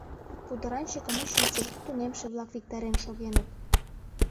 Пудыранчыкым учитель, тунемше-влак виктарен шогеныт.